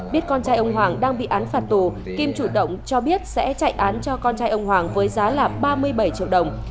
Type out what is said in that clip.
biết con trai ông hoàng đang bị án phạt tù kim chủ động cho biết sẽ chạy án cho con trai ông hoàng với giá là ba mươi bảy triệu đồng